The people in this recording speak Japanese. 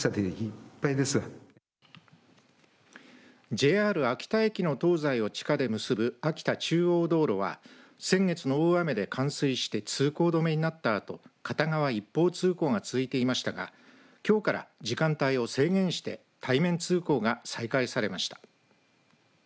ＪＲ秋田駅の東西を地下で結ぶ秋田中央道路は先月の大雨で冠水して通行止めになった後片側一方通行が続いていましたがきょうから時間帯を制限して対面通行が再開されました。